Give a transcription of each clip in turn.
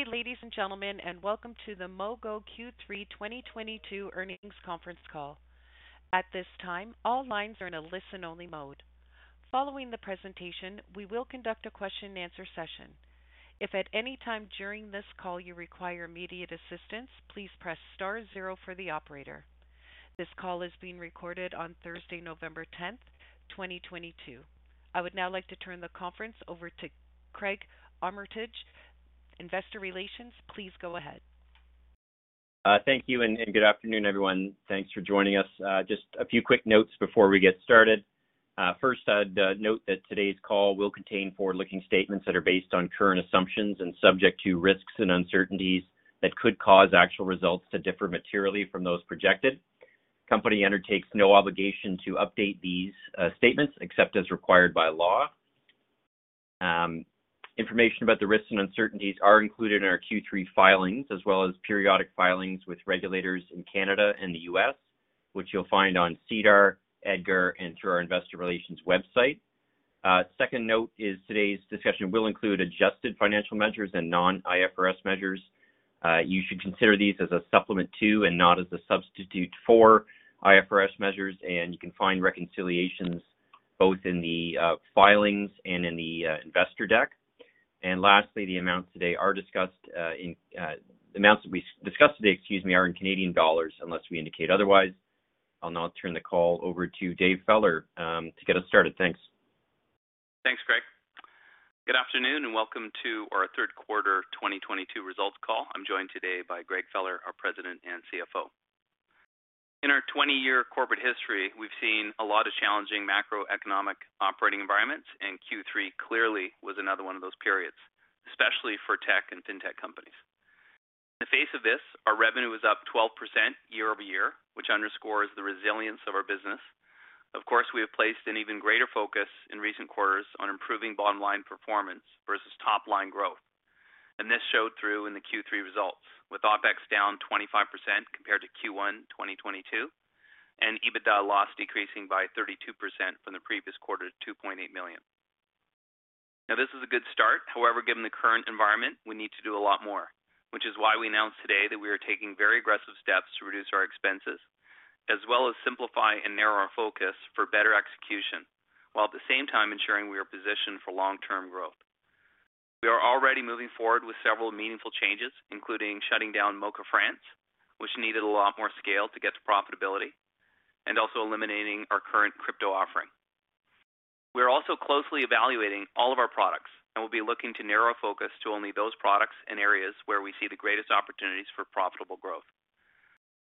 Good day, ladies and gentlemen, and welcome to the Mogo Q3 2022 earnings conference call. At this time, all lines are in a listen-only mode. Following the presentation, we will conduct a question and answer session. If at any time during this call you require immediate assistance, please press star zero for the operator. This call is being recorded on Thursday, November 10, 2022. I would now like to turn the conference over to Craig Armitage, Investor Relations. Please go ahead. Thank you and good afternoon, everyone. Thanks for joining us. Just a few quick notes before we get started. First, I'd note that today's call will contain forward-looking statements that are based on current assumptions and subject to risks and uncertainties that could cause actual results to differ materially from those projected. Company undertakes no obligation to update these statements except as required by law. Information about the risks and uncertainties are included in our Q3 filings, as well as periodic filings with regulators in Canada and the U.S., which you'll find on SEDAR, EDGAR, and through our investor relations website. Second note is today's discussion will include adjusted financial measures and non-IFRS measures. You should consider these as a supplement to, and not as a substitute for, IFRS measures, and you can find reconciliations both in the filings and in the investor deck. Lastly, the amounts that we discussed today, excuse me, are in Canadian dollars, unless we indicate otherwise. I'll now turn the call over to David Feller to get us started. Thanks. Thanks, Craig. Good afternoon, and welcome to our third quarter 2022 results call. I'm joined today by Greg Feller, our president and CFO. In our 20-year corporate history, we've seen a lot of challenging macroeconomic operating environments, and Q3 clearly was another one of those periods, especially for tech and fintech companies. In the face of this, our revenue is up 12% year-over-year, which underscores the resilience of our business. Of course, we have placed an even greater focus in recent quarters on improving bottom line performance versus top line growth. This showed through in the Q3 results, with OpEx down 25% compared to Q1 2022, and EBITDA loss decreasing by 32% from the previous quarter to 2.8 million. Now, this is a good start. However, given the current environment, we need to do a lot more, which is why we announced today that we are taking very aggressive steps to reduce our expenses, as well as simplify and narrow our focus for better execution, while at the same time ensuring we are positioned for long-term growth. We are already moving forward with several meaningful changes, including shutting down Moka France, which needed a lot more scale to get to profitability, and also eliminating our current crypto offering. We're also closely evaluating all of our products, and we'll be looking to narrow focus to only those products and areas where we see the greatest opportunities for profitable growth.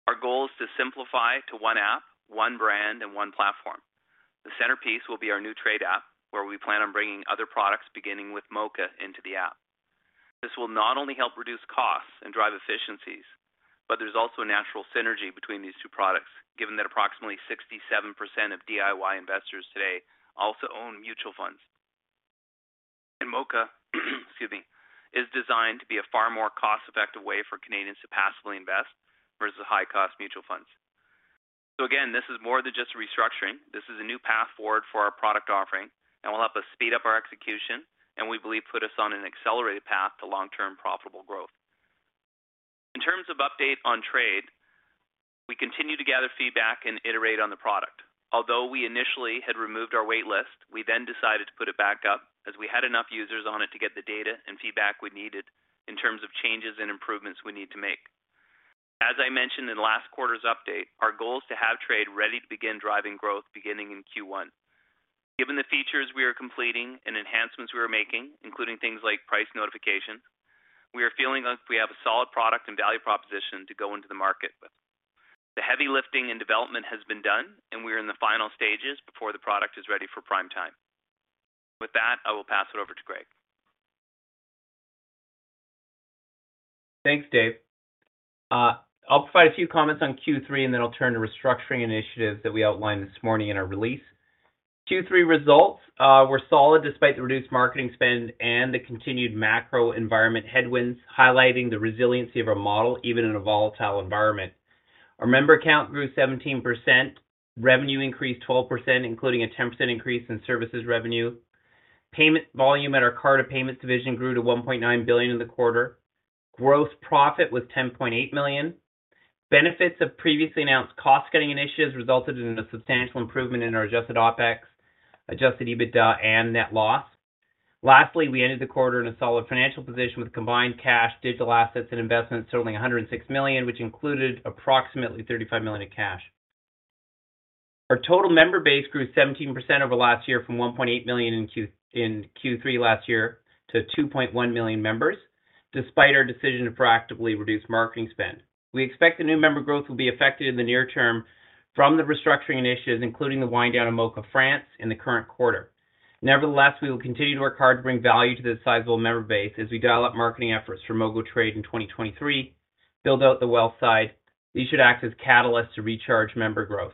Our goal is to simplify to one app, one brand, and one platform. The centerpiece will be our new trade app, where we plan on bringing other products, beginning with Moka, into the app. This will not only help reduce costs and drive efficiencies, but there's also a natural synergy between these two products, given that approximately 67% of DIY investors today also own mutual funds. Moka, excuse me, is designed to be a far more cost-effective way for Canadians to passively invest versus high-cost mutual funds. Again, this is more than just restructuring. This is a new path forward for our product offering and will help us speed up our execution and we believe put us on an accelerated path to long-term profitable growth. In terms of update on MogoTrade, we continue to gather feedback and iterate on the product. Although we initially had removed our wait list, we then decided to put it back up as we had enough users on it to get the data and feedback we needed in terms of changes and improvements we need to make. As I mentioned in last quarter's update, our goal is to have MogoTrade ready to begin driving growth beginning in Q1. Given the features we are completing and enhancements we are making, including things like price notification, we are feeling like we have a solid product and value proposition to go into the market with. The heavy lifting and development has been done and we are in the final stages before the product is ready for prime time. With that, I will pass it over to Greg. Thanks, Dave. I'll provide a few comments on Q3, and then I'll turn to restructuring initiatives that we outlined this morning in our release. Q3 results were solid despite the reduced marketing spend and the continued macro environment headwinds, highlighting the resiliency of our model even in a volatile environment. Our member count grew 17%, revenue increased 12%, including a 10% increase in services revenue. Payment volume at our Carta payments division grew to 1.9 billion in the quarter. Gross profit was 10.8 million. Benefits of previously announced cost-cutting initiatives resulted in a substantial improvement in our adjusted OpEx, adjusted EBITDA, and net loss. Lastly, we ended the quarter in a solid financial position with combined cash, digital assets, and investments totaling 106 million, which included approximately 35 million in cash. Our total member base grew 17% over last year from 1.8 million in Q3 last year to 2.1 million members, despite our decision to proactively reduce marketing spend. We expect the new member growth will be affected in the near term from the restructuring initiatives, including the wind down of Moka France in the current quarter. Nevertheless, we will continue to work hard to bring value to this sizable member base as we dial up marketing efforts for MogoTrade in 2023, build out the wealth side. These should act as catalysts to recharge member growth.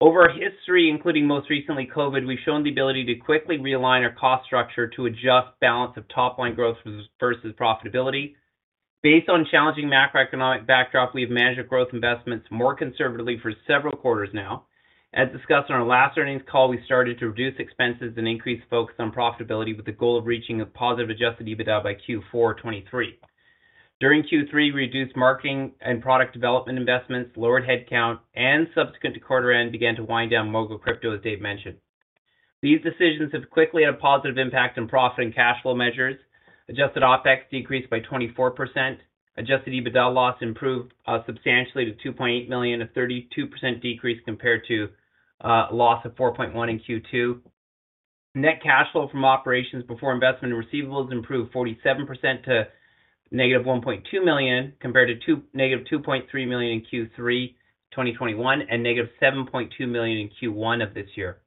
Over our history, including most recently COVID, we've shown the ability to quickly realign our cost structure to adjust balance of top line growth versus profitability. Based on challenging macroeconomic backdrop, we've managed growth investments more conservatively for several quarters now. As discussed on our last earnings call, we started to reduce expenses and increase focus on profitability with the goal of reaching a positive adjusted EBITDA by Q4 2023. During Q3, we reduced marketing and product development investments, lowered headcount, and subsequent to quarter end, began to wind down MogoCrypto, as Dave mentioned. These decisions have quickly had a positive impact on profit and cash flow measures. Adjusted OpEx decreased by 24%. Adjusted EBITDA loss improved substantially to 2.8 million, a 32% decrease compared to loss of 4.1 million in Q2. Net cash flow from operations before investment in receivables improved 47% to -1.2 million, compared to -2.3 million in Q3 2021, and -7.2 million in Q1 of this year.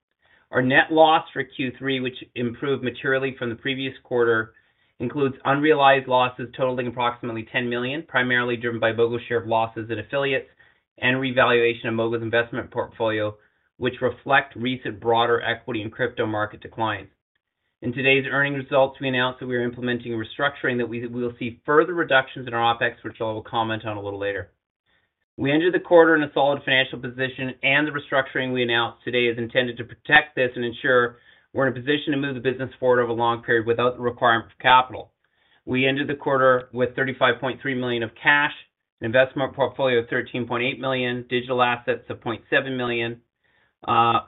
Our net loss for Q3, which improved materially from the previous quarter, includes unrealized losses totaling approximately 10 million, primarily driven by Mogo's share of losses at affiliates and revaluation of Mogo's investment portfolio, which reflect recent broader equity and crypto market declines. In today's earnings results, we announced that we are implementing a restructuring that we will see further reductions in our OpEx, which I will comment on a little later. We ended the quarter in a solid financial position, and the restructuring we announced today is intended to protect this and ensure we're in a position to move the business forward over a long period without the requirement for capital. We ended the quarter with 35.3 million of cash, investment portfolio of 13.8 million, digital assets of 0.7 million,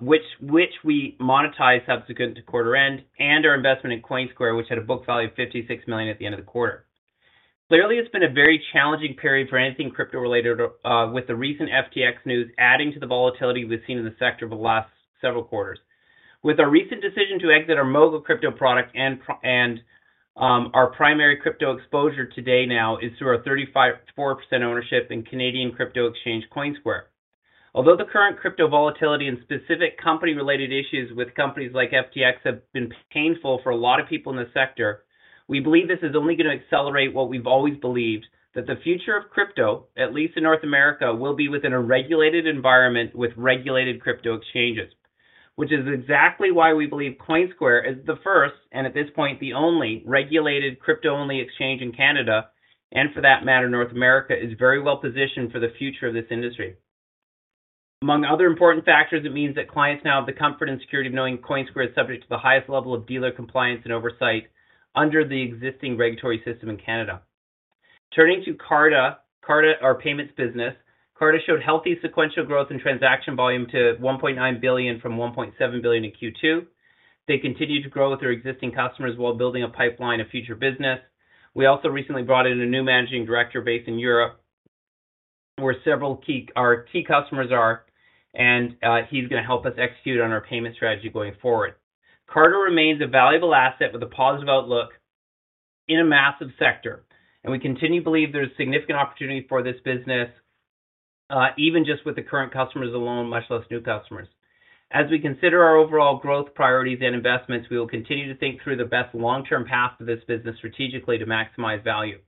which we monetized subsequent to quarter end, and our investment in Coinsquare, which had a book value of 56 million at the end of the quarter. Clearly, it's been a very challenging period for anything crypto-related, with the recent FTX news adding to the volatility we've seen in the sector over the last several quarters. With our recent decision to exit our MogoCrypto product and our primary crypto exposure today now is through our 35.4% ownership in Canadian crypto exchange, Coinsquare. Although the current crypto volatility and specific company-related issues with companies like FTX have been painful for a lot of people in this sector, we believe this is only gonna accelerate what we've always believed, that the future of crypto, at least in North America, will be within a regulated environment with regulated crypto exchanges. Which is exactly why we believe Coinsquare is the first, and at this point, the only regulated crypto-only exchange in Canada, and for that matter, North America, is very well positioned for the future of this industry. Among other important factors, it means that clients now have the comfort and security of knowing Coinsquare is subject to the highest level of dealer compliance and oversight under the existing regulatory system in Canada. Turning to Carta. Carta, our payments business. Carta showed healthy sequential growth in transaction volume to 1.9 billion from 1.7 billion in Q2. They continue to grow with their existing customers while building a pipeline of future business. We also recently brought in a new Managing Director based in Europe, where several key customers are, and he's gonna help us execute on our payment strategy going forward. Carta remains a valuable asset with a positive outlook in a massive sector, and we continue to believe there's significant opportunity for this business, even just with the current customers alone, much less new customers. As we consider our overall growth priorities and investments, we will continue to think through the best long-term path for this business strategically to maximize value.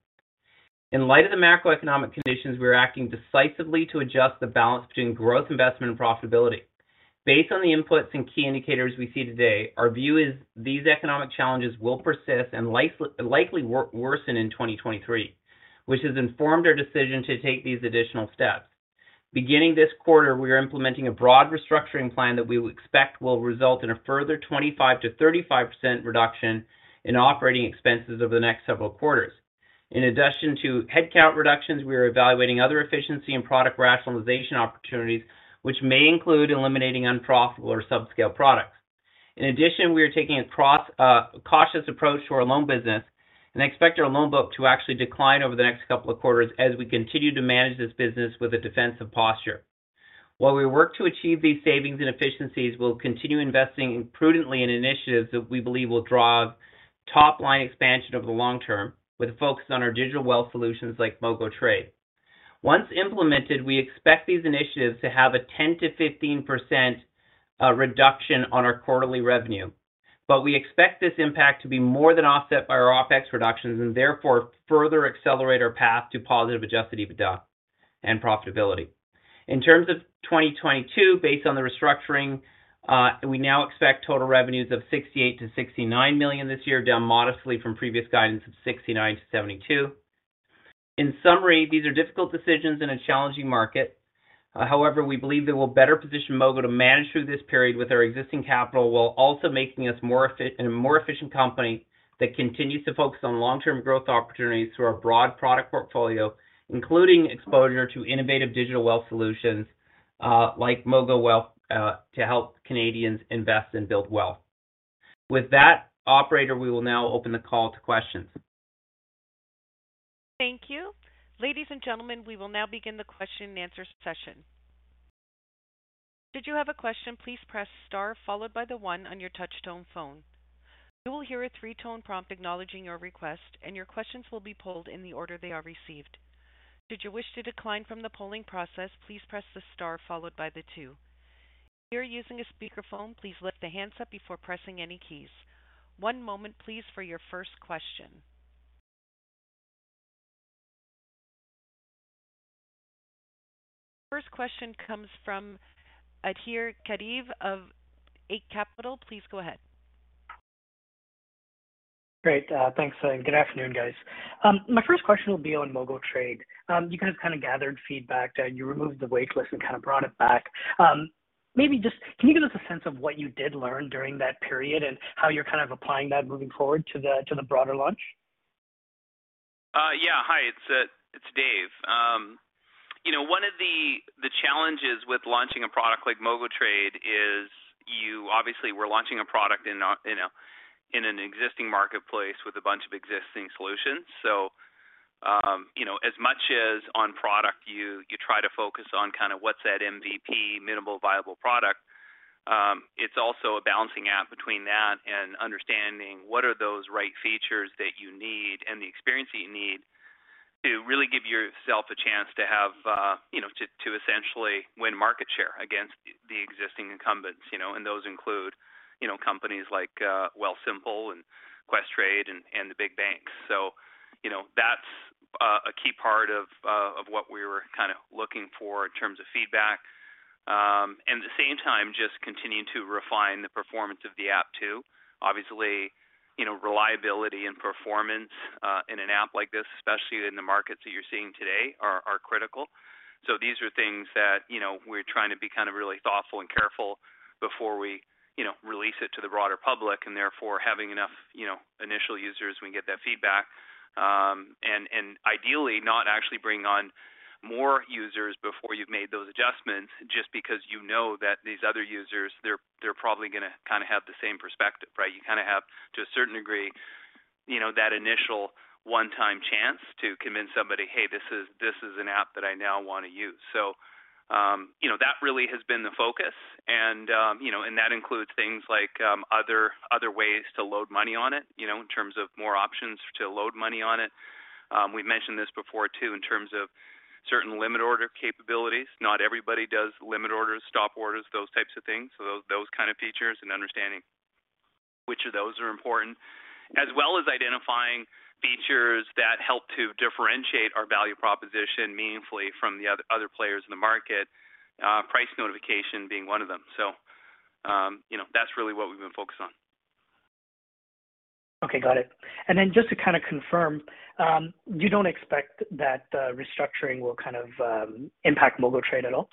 In light of the macroeconomic conditions, we're acting decisively to adjust the balance between growth, investment, and profitability. Based on the inputs and key indicators we see today, our view is these economic challenges will persist and likely worsen in 2023, which has informed our decision to take these additional steps. Beginning this quarter, we are implementing a broad restructuring plan that we expect will result in a further 25%-35% reduction in operating expenses over the next several quarters. In addition to headcount reductions, we are evaluating other efficiency and product rationalization opportunities, which may include eliminating unprofitable or subscale products. In addition, we are taking a cautious approach to our loan business and expect our loan book to actually decline over the next couple of quarters as we continue to manage this business with a defensive posture. While we work to achieve these savings and efficiencies, we'll continue investing prudently in initiatives that we believe will drive top-line expansion over the long term, with a focus on our digital wealth solutions like MogoTrade. Once implemented, we expect these initiatives to have a 10%-15% reduction on our quarterly revenue. We expect this impact to be more than offset by our OpEx reductions, and therefore, further accelerate our path to positive adjusted EBITDA and profitability. In terms of 2022, based on the restructuring, we now expect total revenues of 68 million-69 million this year, down modestly from previous guidance of 69 million-72 million. In summary, these are difficult decisions in a challenging market. However, we believe they will better position Mogo to manage through this period with our existing capital, while also making us a more efficient company that continues to focus on long-term growth opportunities through our broad product portfolio, including exposure to innovative digital wealth solutions, like MogoWealth, to help Canadians invest and build wealth. With that, operator, we will now open the call to questions. Thank you. Ladies and gentlemen, we will now begin the question and answer session. Should you have a question, please press star followed by the one on your touchtone phone. You will hear a three-tone prompt acknowledging your request, and your questions will be polled in the order they are received. Should you wish to decline from the polling process, please press the star followed by the two. If you are using a speakerphone, please lift the handset before pressing any keys. One moment please for your first question. First question comes from Adhir Kadve of Eight Capital. Please go ahead. Great. Thanks and good afternoon, guys. My first question will be on MogoTrade. You guys kind of gathered feedback that you removed the wait list and kind of brought it back. Maybe just can you give us a sense of what you did learn during that period and how you're kind of applying that moving forward to the broader launch? Yeah. Hi, it's Dave. You know, one of the challenges with launching a product like MogoTrade is you obviously were launching a product in a, you know, in an existing marketplace with a bunch of existing solutions. You know, as much as on product, you try to focus on kind of what's that MVP, minimal viable product, it's also a balancing act between that and understanding what are those right features that you need and the experience that you need to really give yourself a chance to have, you know, to essentially win market share against the existing incumbents, you know. Those include, you know, companies like, Wealthsimple and Questrade and the big banks. You know, that's a key part of what we were kind of looking for in terms of feedback. At the same time, just continuing to refine the performance of the app too. Obviously, you know, reliability and performance in an app like this, especially in the markets that you're seeing today, are critical. These are things that, you know, we're trying to be kind of really thoughtful and careful before we, you know, release it to the broader public and therefore having enough, you know, initial users, we can get that feedback. Ideally not actually bring on more users before you've made those adjustments, just because you know that these other users, they're probably gonna kind of have the same perspective, right? You kind of have, to a certain degree, you know, that initial one-time chance to convince somebody, "Hey, this is an app that I now want to use." You know, that really has been the focus and that includes things like other ways to load money on it, you know, in terms of more options to load money on it. We've mentioned this before too in terms of certain limit order capabilities. Not everybody does limit orders, stop orders, those types of things. Those kind of features and understanding which of those are important, as well as identifying features that help to differentiate our value proposition meaningfully from the other players in the market, price notification being one of them. You know, that's really what we've been focused on. Okay, got it. Just to kind of confirm, you don't expect that restructuring will kind of impact MogoTrade at all?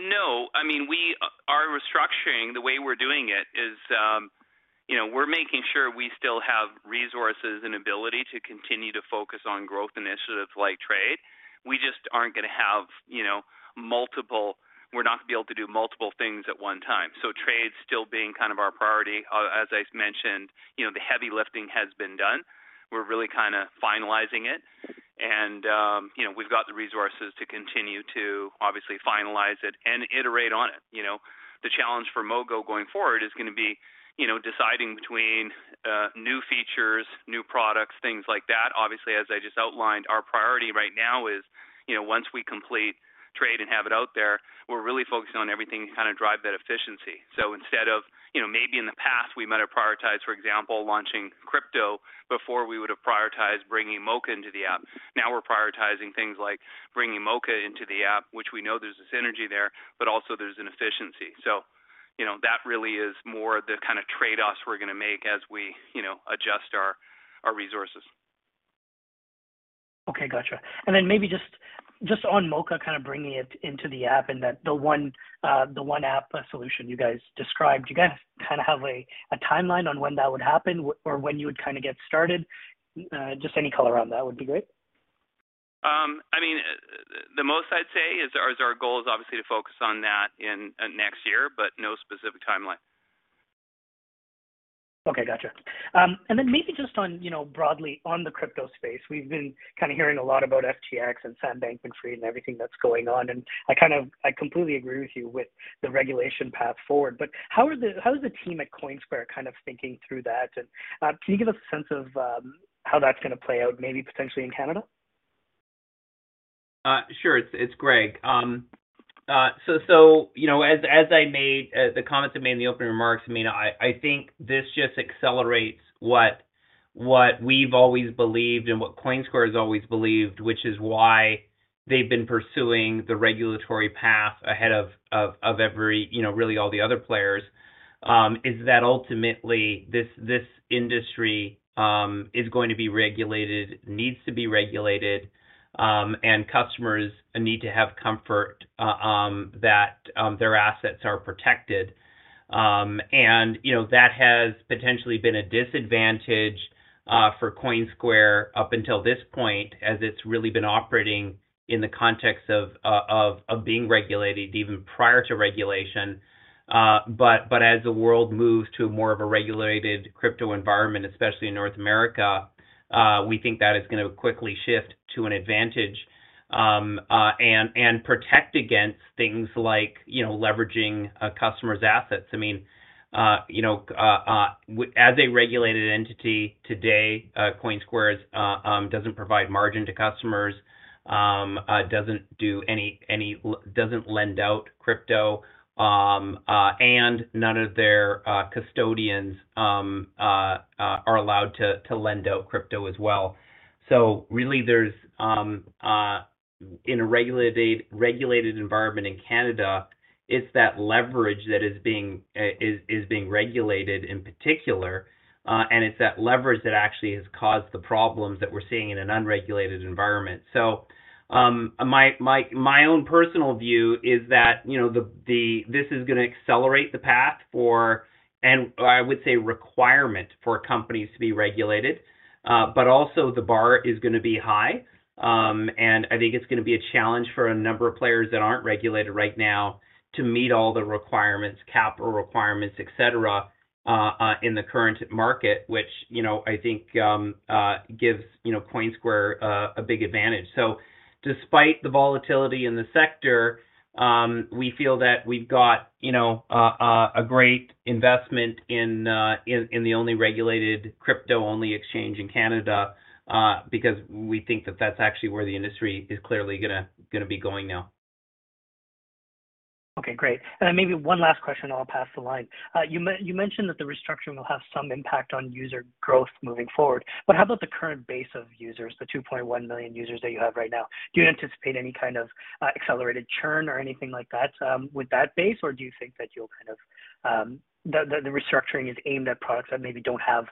No. I mean, our restructuring, the way we're doing it is, you know, we're making sure we still have resources and ability to continue to focus on growth initiatives like trade. We just aren't gonna have, you know, multiple. We're not gonna be able to do multiple things at one time. Trade still being kind of our priority. As I mentioned, you know, the heavy lifting has been done. We're really kind of finalizing it and, you know, we've got the resources to continue to obviously finalize it and iterate on it, you know. The challenge for Mogo going forward is gonna be, you know, deciding between, new features, new products, things like that. Obviously, as I just outlined, our priority right now is, you know, once we complete trade and have it out there, we're really focusing on everything to kind of drive that efficiency. Instead of, you know, maybe in the past we might have prioritized, for example, launching crypto before we would have prioritized bringing Moka into the app. Now we're prioritizing things like bringing Moka into the app, which we know there's a synergy there, but also there's an efficiency. You know, that really is more the kind of trade-offs we're gonna make as we, you know, adjust our resources. Okay, gotcha. Maybe just on Moka, kind of bringing it into the app and that the one app solution you guys described. You guys kind of have a timeline on when that would happen or when you would kind of get started. Just any color around that would be great. I mean, the most I'd say is our goal is obviously to focus on that in next year, but no specific timeline. Okay, gotcha. Maybe just on, you know, broadly on the crypto space. We've been kind of hearing a lot about FTX and Sam Bankman-Fried and everything that's going on, and I kind of completely agree with you with the regulation path forward. How is the team at Coinsquare kind of thinking through that? Can you give us a sense of how that's gonna play out maybe potentially in Canada? Sure. It's Greg. You know, as I made the comments I made in the opening remarks, I mean, I think this just accelerates what we've always believed and what Coinsquare has always believed, which is why they've been pursuing the regulatory path ahead of every, you know, really all the other players, is that ultimately this industry is going to be regulated, needs to be regulated, and customers need to have comfort that their assets are protected. You know, that has potentially been a disadvantage for Coinsquare up until this point as it's really been operating in the context of being regulated even prior to regulation. As the world moves to more of a regulated crypto environment, especially in North America, we think that is gonna quickly shift to an advantage, and protect against things like, you know, leveraging a customer's assets. I mean, you know, as a regulated entity today, Coinsquare doesn't provide margin to customers, doesn't lend out crypto, and none of their custodians are allowed to lend out crypto as well. Really, in a regulated environment in Canada, it's that leverage that is being regulated in particular, and it's that leverage that actually has caused the problems that we're seeing in an unregulated environment. My own personal view is that, you know, this is gonna accelerate the path. I would say requirement for companies to be regulated. Also the bar is gonna be high. I think it's gonna be a challenge for a number of players that aren't regulated right now to meet all the requirements, capital requirements, et cetera, in the current market, which, you know, I think gives, you know, Coinsquare a big advantage. Despite the volatility in the sector, we feel that we've got, you know, a great investment in the only regulated crypto-only exchange in Canada, because we think that that's actually where the industry is clearly gonna be going now. Okay, great. Then maybe one last question and I'll pass the line. You mentioned that the restructuring will have some impact on user growth moving forward, but how about the current base of users, the 2.1 million users that you have right now? Do you anticipate any kind of accelerated churn or anything like that with that base? Or do you think that you'll kind of the restructuring is aimed at products that maybe don't have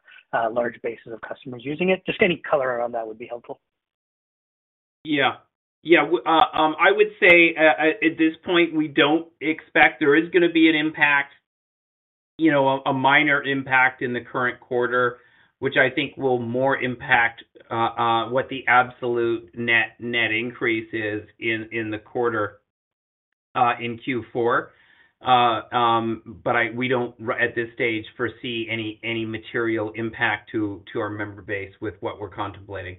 large bases of customers using it? Just any color around that would be helpful. Yeah. I would say at this point, we don't expect there is gonna be an impact, you know, a minor impact in the current quarter, which I think will more impact what the absolute net increase is in the quarter in Q4. But we don't at this stage foresee any material impact to our member base with what we're contemplating.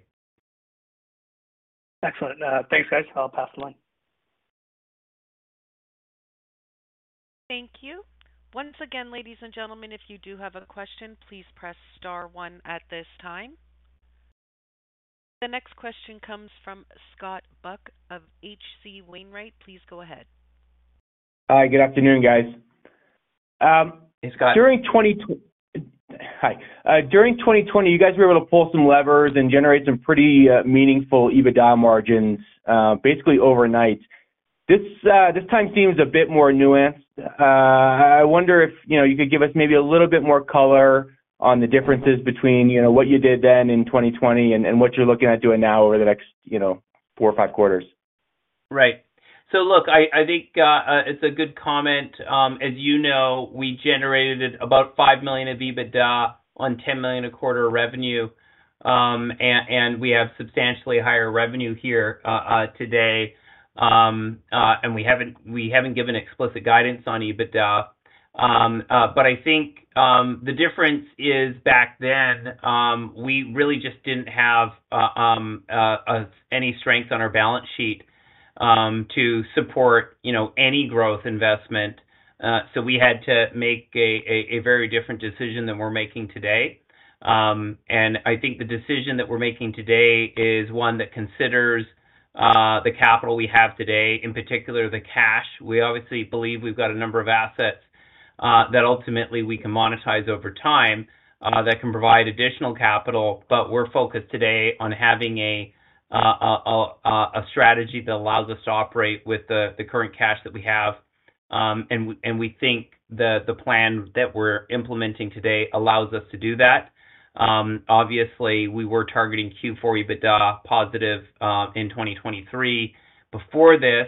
Excellent. Thanks, guys. I'll pass the line. Thank you. Once again, ladies and gentlemen, if you do have a question, please press star one at this time. The next question comes from Scott Buck of H.C. Wainwright. Please go ahead. Hi. Good afternoon, guys. Hey, Scott. During 2020, you guys were able to pull some levers and generate some pretty meaningful EBITDA margins basically overnight. This time seems a bit more nuanced. I wonder if, you know, you could give us maybe a little bit more color on the differences between, you know, what you did then in 2020 and what you're looking at doing now over the next, you know, four or five quarters. Right. Look, I think it's a good comment. As you know, we generated about 5 million of EBITDA on 10 million a quarter revenue. We have substantially higher revenue here today. We haven't given explicit guidance on EBITDA. But I think the difference is back then we really just didn't have any strength on our balance sheet to support, you know, any growth investment. We had to make a very different decision than we're making today. I think the decision that we're making today is one that considers the capital we have today, in particular the cash. We obviously believe we've got a number of assets that ultimately we can monetize over time that can provide additional capital. We're focused today on having a strategy that allows us to operate with the current cash that we have. We think the plan that we're implementing today allows us to do that. Obviously we were targeting Q4 EBITDA positive in 2023 before this.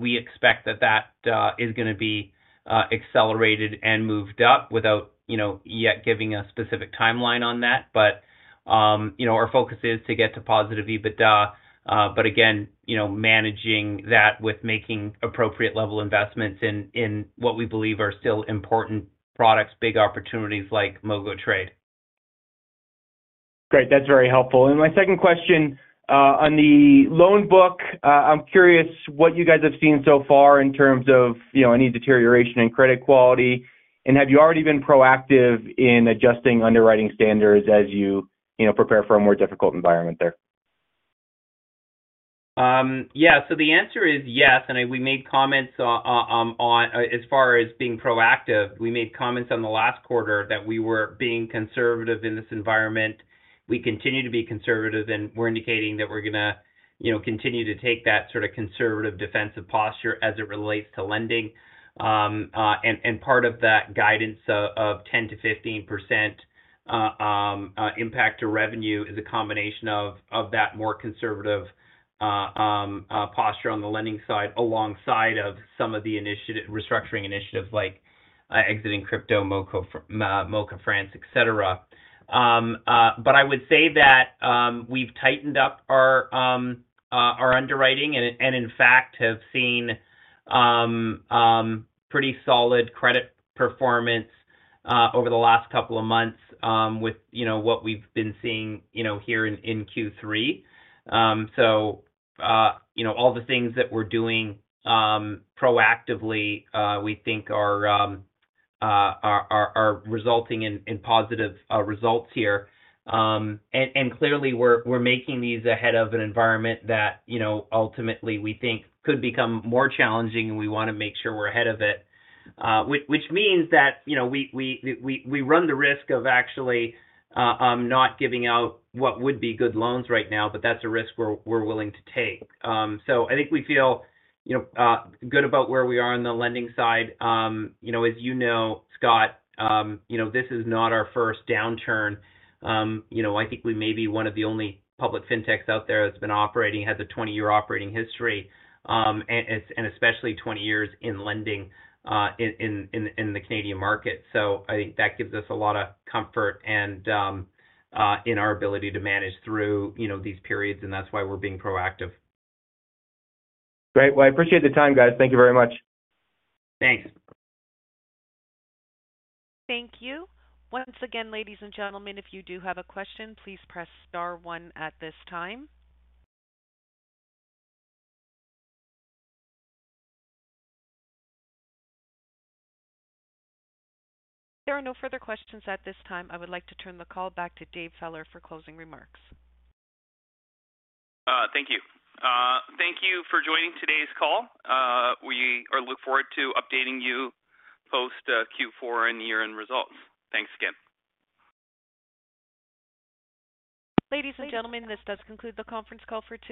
We expect that is gonna be accelerated and moved up without you know yet giving a specific timeline on that. You know, our focus is to get to positive EBITDA. You know, managing that with making appropriate level investments in what we believe are still important products, big opportunities like MogoTrade. Great. That's very helpful. My second question, on the loan book. I'm curious what you guys have seen so far in terms of, you know, any deterioration in credit quality, and have you already been proactive in adjusting underwriting standards as you know, prepare for a more difficult environment there? The answer is yes, and we made comments on, as far as being proactive. We made comments on the last quarter that we were being conservative in this environment. We continue to be conservative, and we're indicating that we're gonna, you know, continue to take that sort of conservative defensive posture as it relates to lending. And part of that guidance of 10%-15% impact to revenue is a combination of that more conservative posture on the lending side, alongside of some of the restructuring initiatives like exiting crypto, Moka France, et cetera. I would say that we've tightened up our underwriting and, in fact, have seen pretty solid credit performance over the last couple of months with, you know, what we've been seeing, you know, here in Q3. You know, all the things that we're doing proactively, we think are resulting in positive results here. Clearly we're making these ahead of an environment that, you know, ultimately we think could become more challenging, and we wanna make sure we're ahead of it. Which means that, you know, we run the risk of actually not giving out what would be good loans right now, but that's a risk we're willing to take. I think we feel, you know, good about where we are on the lending side. You know, as you know, Scott, you know, this is not our first downturn. You know, I think we may be one of the only public fintechs out there that's been operating, has a 20-year operating history, and especially 20 years in lending, in the Canadian market. I think that gives us a lot of comfort and in our ability to manage through, you know, these periods, and that's why we're being proactive. Great. Well, I appreciate the time, guys. Thank you very much. Thanks. Thank you. Once again, ladies and gentlemen, if you do have a question, please press star one at this time. There are no further questions at this time. I would like to turn the call back to Dave Feller for closing remarks. Thank you. Thank you for joining today's call. We look forward to updating you post Q4 and year-end results. Thanks again. Ladies and gentlemen, this does conclude the conference call for today.